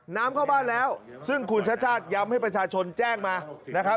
น้ำเข้าบ้านแล้วซึ่งคุณชาติชาติย้ำให้ประชาชนแจ้งมานะครับ